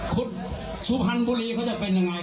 ขุดสุภัณฑ์บุรีเค้าจะเป็นยังไง